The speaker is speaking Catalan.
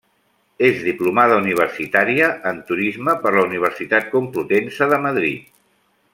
És diplomada universitària en turisme per la Universitat Complutense de Madrid.